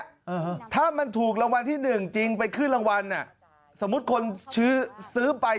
เออถ้ามันถูกรางวัลที่หนึ่งจริงไปขึ้นรางวัลอ่ะสมมุติคนซื้อซื้อไป